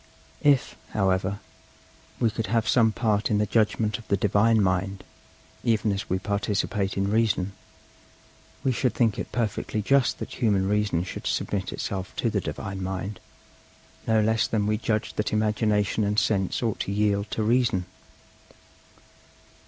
If, however, we could have some part in the judgment of the Divine mind, even as we participate in Reason, we should think it perfectly just that human Reason should submit itself to the Divine mind, no less than we judged that Imagination and Sense ought to yield to Reason.